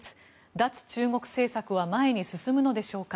脱中国政策は前に進むのでしょうか。